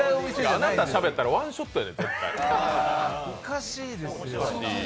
あなたしゃべったらワンショットやねん、絶対。